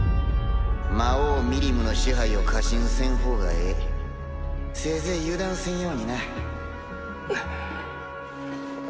魔王ミリムの支配を過信せせいぜい油断せんようになフッ。